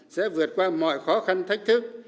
sẽ vượt qua mọi khó khăn thách thức